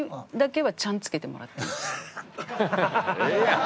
ええやん。